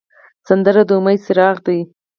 سندره د امید څراغ دی